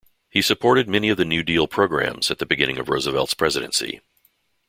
He supported many of the New Deal programs, at the beginning of Roosevelt's presidency.